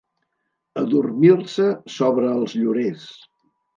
Adormir-se sobre els llorers.